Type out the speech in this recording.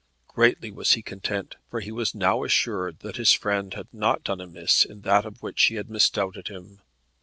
Greatly was he content, for he was now assured that his friend had not done amiss in that of which he had misdoubted him.